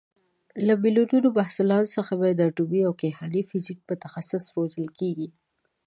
له میلیون محصلانو څخه به د اټومي او کیهاني فیزیک متخصص روزل کېږي.